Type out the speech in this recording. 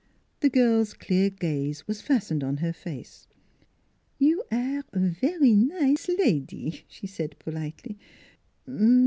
The girl's clear gaze was fastened on her face. " You aire vary nize lady," she said politely.